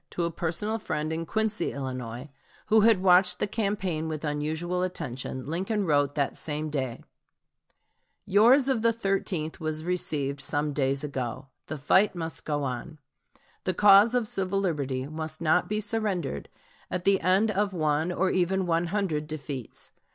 To a personal friend in Quincy, Illinois, who had watched the campaign with unusual attention, Lincoln wrote that same day: "Yours of the 13th was received some days ago. The fight must go on. The cause of civil liberty must not be surrendered at the end of one or even one hundred defeats.